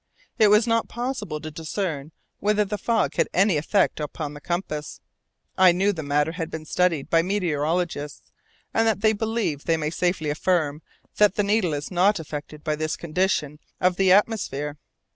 It was not possible to discern whether the fog had any effect upon the compass. I knew the matter had been studied by meteorologists, and that they believe they may safely affirm that the needle is not affected by this condition of the atmosphere.